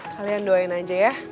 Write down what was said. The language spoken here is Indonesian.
kalian doain aja ya